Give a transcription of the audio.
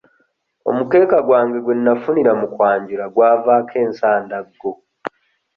Omukeeka gwange gwe nafunira mu kwanjula gwavaayo ensandaggo.